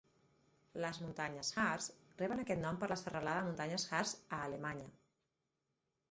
Les muntanyes Hartz reben aquest nom per la serralada de muntanyes Harz a Alemanya.